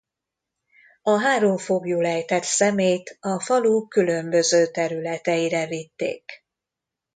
A három foglyul ejtett személyt a falu különböző területeire vitték.